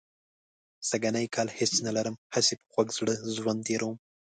سږنی کال هېڅ هم نه لرم، هسې په خوږ زړه ژوند تېروم.